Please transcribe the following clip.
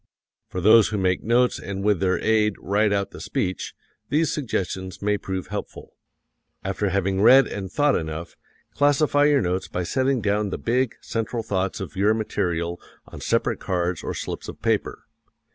For those who make notes and with their aid write out the speech, these suggestions may prove helpful: After having read and thought enough, classify your notes by setting down the big, central thoughts of your material on separate cards or slips of paper.